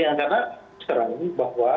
karena sekarang ini bahwa